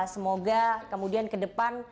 semoga kemudian ke depan